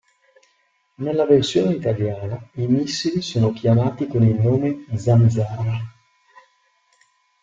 Nella versione italiana i missili sono chiamati con il nome "Zanzara".